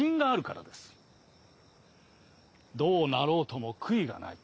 どうなろうとも悔いがない。